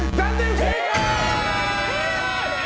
不正解！